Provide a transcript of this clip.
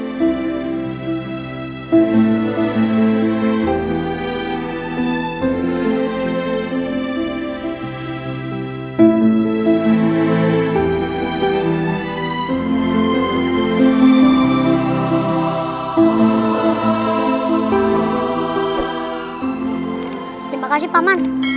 terima kasih pak man